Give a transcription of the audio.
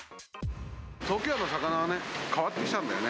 東京湾の魚が変わってきたんだよね。